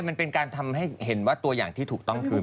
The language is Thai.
มันเป็นการทำให้เห็นว่าตัวอย่างที่ถูกต้องคือ